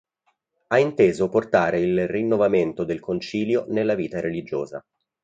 Ha inteso portare il rinnovamento del Concilio nella vita religiosa.